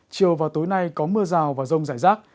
chiều và tối nay có mưa rào và rông rải rác